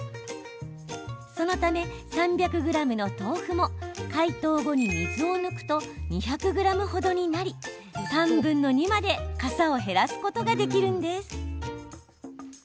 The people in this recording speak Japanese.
そのため、３００ｇの豆腐も解凍後に水を抜くと２００ｇほどになり３分の２までかさを減らすことができるんです。